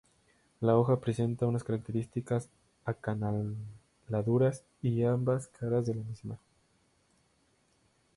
La hoja presenta unas características acanaladuras en ambas caras de la misma.